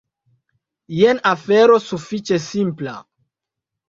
Jen afero sufiĉe simpla.